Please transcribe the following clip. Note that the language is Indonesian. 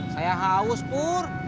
saya haus purr